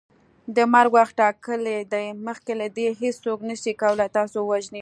د مرګ وخت ټاکلی دی مخکي له دې هیڅوک نسي کولی تاسو ووژني